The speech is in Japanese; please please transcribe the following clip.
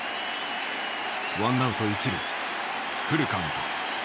ワンアウト一塁フルカウント。